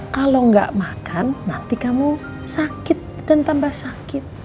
kalau nggak makan nanti kamu sakit dan tambah sakit